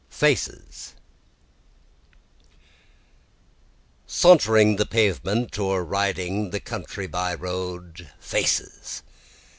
Faces 1 Sauntering the pavement or riding the country by road, faces!